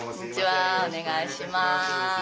お願いします。